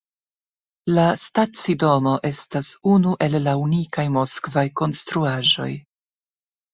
La stacidomo estas unu el unikaj moskvaj konstruaĵoj.